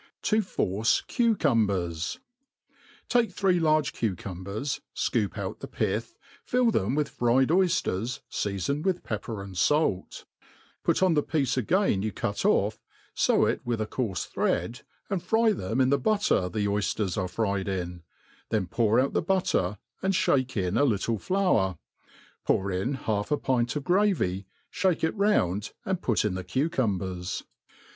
To force Cucumheru TAKE three large cucumbers, fcoop out the pith, fill then^ with fried oyfters, feafoped with pepper and fait; put on the piece again you cut ofF, few it with a coarfe thready and frjr them in the butter the oyfters are fried in : then pour out the Butter, and fliake in a little flour, pour in half a pint of gra vy, ihake it round and piit in the cucumbers.